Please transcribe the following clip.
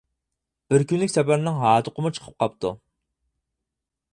بىر كۈنلۈك سەپەرنىڭ ھاردۇقىمۇ چىقىپ قاپتۇ.